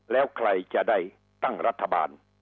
แล้วใครจะได้ตั้งรัฐบาล